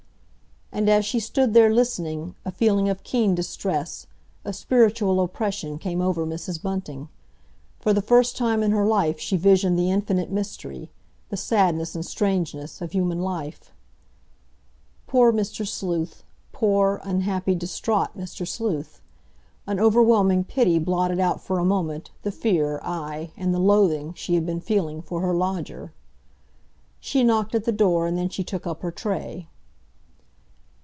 '" And as she stood there listening, a feeling of keen distress, of spiritual oppression, came over Mrs. Bunting. For the first time in her life she visioned the infinite mystery, the sadness and strangeness, of human life. Poor Mr. Sleuth—poor unhappy, distraught Mr. Sleuth! An overwhelming pity blotted out for a moment the fear, aye, and the loathing, she had been feeling for her lodger. She knocked at the door, and then she took up her tray.